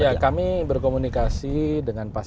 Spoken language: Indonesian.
ya kami berkomunikasi dengan pak